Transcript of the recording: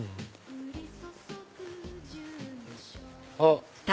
あっ！